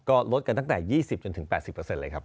ก็ลดกันตั้งแต่๒๐จนถึง๘๐เลยครับ